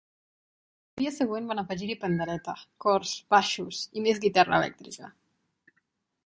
Al dia següent van afegir-hi pandereta, cors, baixos i més guitarra elèctrica.